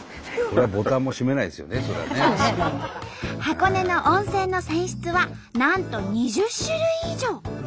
箱根の温泉の泉質はなんと２０種類以上。